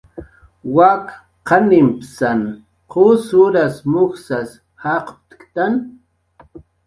Wak qanimpsan qusuras mujsas jaqptktan